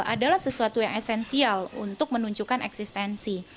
jadi itu adalah hal yang sangat esensial untuk menunjukkan eksistensi